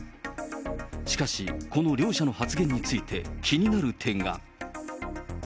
しかしこの両者の発言について気になる点が。